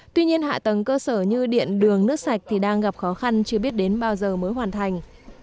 tuy nhiên hạ tầng cơ sở như điện đường nước sạch thì đang gặp khó khăn chưa biết đến bao giờ mới hoàn thành